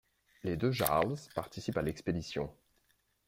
Les deux Jarls participent à l'expédition.